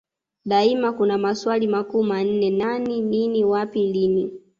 Daima kuna maswali makuu manne Nani nini wapi lini